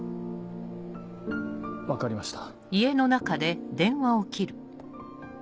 分かりました。